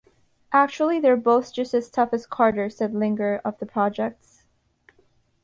"Actually they're both just as tough as "Carter" said Klinger of the projects.